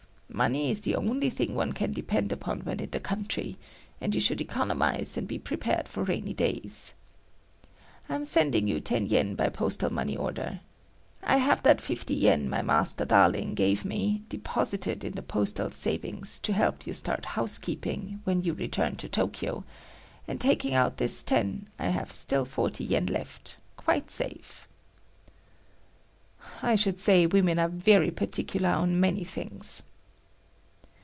Money is the only thing one can depend upon when in the country and you should economize and be prepared for rainy days. I'm sending you ten yen by postal money order. I have that fifty yen my Master Darling gave me deposited in the Postal Savings to help you start housekeeping when you return to Tokyo, and taking out this ten, I have still forty yen left,—quite safe." I should say women are very particular on many things.